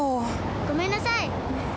ごめんなさい。